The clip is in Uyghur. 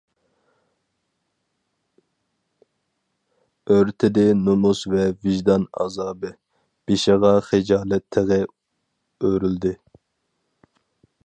ئۆرتىدى نومۇس ۋە ۋىجدان ئازابى، بېشىغا خىجالەت تېغى ئۆرۈلدى.